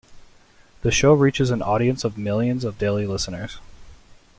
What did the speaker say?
The show reaches an audience of millions of daily listeners.